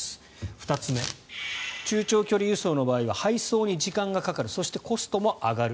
２つ目、中・長距離輸送の場合は配送に時間がかかるそして、コストも上がる。